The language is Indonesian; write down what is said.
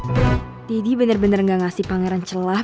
daddy bener bener gak ngasih pangeran celah